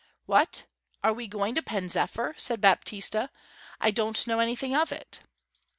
'What are we going to Pen zephyr?' said Baptista. 'I don't know anything of it.'